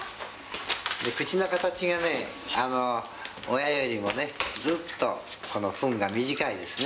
口の形がね親よりもねずっと、このふんが短いですね。